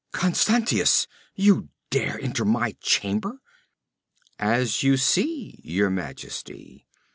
'Constantius! You dare enter my chamber!' 'As you see, Your Majesty!'